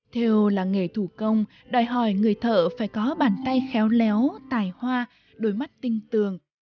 theo làng nghề thủ công đòi hỏi người thợ phải có bàn tay khéo léo tài hoa đôi mắt tinh tường